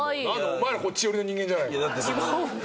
お前らこっち寄りの人間じゃないの。